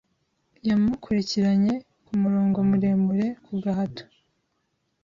Yamukurikiranye kumurongo muremure ku gahato